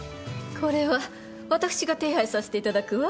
これは私が手配させていただくわ。